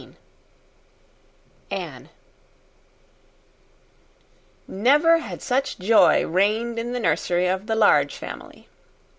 19 Anne Never had such joy reigned in the nursery of the Large Family.